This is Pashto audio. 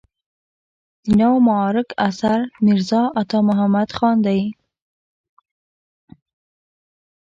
د نوای معارک اثر میرزا عطا محمد خان دی.